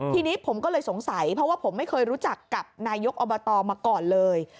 ทีนี้ผมก็เลยสงสัยเพราะว่าผมไม่เคยรู้จักกับนายกอบตมาก่อนเลย